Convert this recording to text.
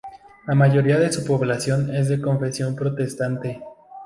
La mayoría de su población es de confesión protestante.